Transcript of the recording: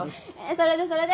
それでそれで？